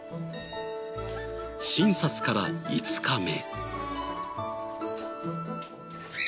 診察から５日目。